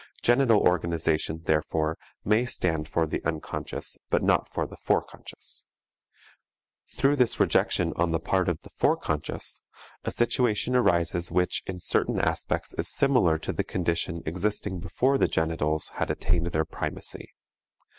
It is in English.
Genital organization, therefore, may stand for the unconscious but not for the fore conscious. Through this rejection on the part of the fore conscious, a situation arises which in certain aspects is similar to the condition existing before the genitals had attained their primacy.